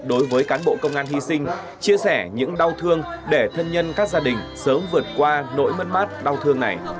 đối với cán bộ công an hy sinh chia sẻ những đau thương để thân nhân các gia đình sớm vượt qua nỗi mất mát đau thương này